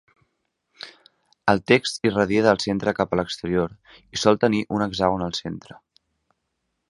El text irradia del centre cap a l'exterior i sol tenir un hexàgon al centre.